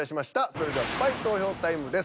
それではスパイ投票タイムです。